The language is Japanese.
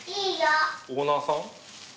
オーナーさん？